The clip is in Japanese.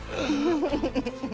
フフフフフ。